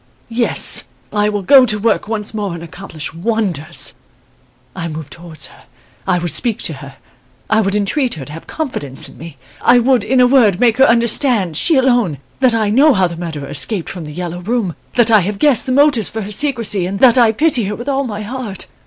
Yes, I will go to work once more and accomplish wonders. "I move towards her. I would speak to her. I would entreat her to have confidence in me. I would, in a word, make her understand she alone that I know how the murderer escaped from "The Yellow Room" that I have guessed the motives for her secrecy and that I pity her with all my heart.